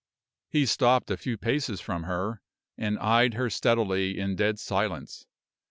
He stopped a few paces from her, and eyed her steadily in dead silence.